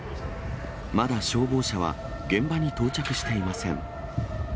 まだ消防車は現場に到着していません。